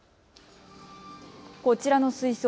こちらの水槽。